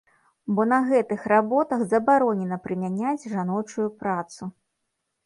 Бо на гэтых работах забаронена прымяняць жаночую працу.